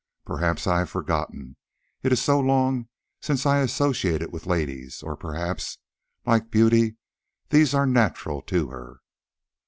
Perhaps I have forgotten; it is so long since I associated with ladies, or perhaps, like beauty, these are natural to her.